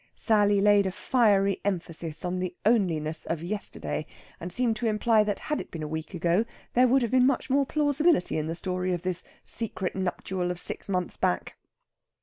Sally laid a fiery emphasis on the only ness of yesterday, and seemed to imply that, had it been a week ago, there would have been much more plausibility in the story of this secret nuptial of six months back.